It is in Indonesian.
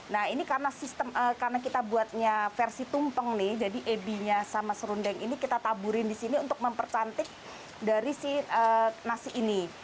nah ini karena kita buatnya versi tumpeng nih jadi ebinya sama serundeng ini kita taburin disini untuk mempercantik dari nasi ini